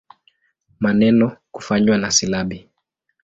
Maneno kufanywa na silabi.